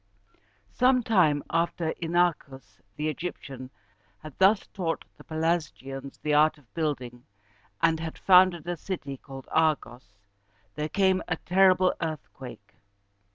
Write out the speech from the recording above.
Some time after Inachus the Egyptian had thus taught the Pelasgians the art of building, and had founded a city called Ar´gos, there came a terrible earthquake.